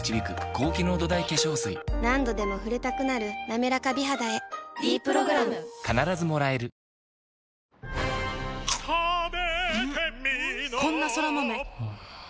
何度でも触れたくなる「なめらか美肌」へ「ｄ プログラム」食べてミーノん⁉こんなソラマメん。